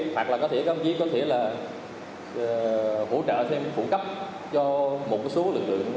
hoặc là có thể các ông chí có thể là hỗ trợ thêm phụ cấp cho một số lực lượng